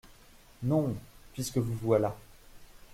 Non… puisque vous voilà.